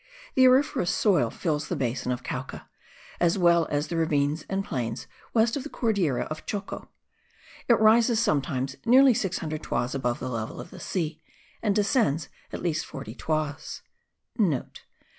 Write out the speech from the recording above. The auriferous soil fills the basin of Cauca, as well as the ravines and plains west of the Cordillera of Choco; it rises sometimes nearly 600 toises above the level of the sea, and descends at least 40 toises.